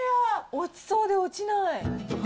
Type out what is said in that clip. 落ちそうで落ちない。